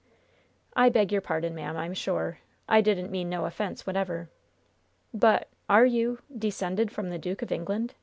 "I beg your pardon, ma'am, I'm sure. I didn't mean no offense whatever! But are you descended from the Duke of England?"